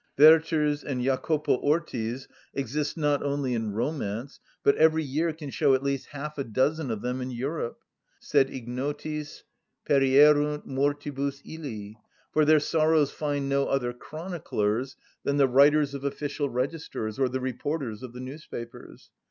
Werthers and Jacopo Ortis exist not only in romance, but every year can show at least half a dozen of them in Europe: Sed ignotis perierunt mortibus illi; for their sorrows find no other chroniclers than the writers of official registers or the reporters of the newspapers.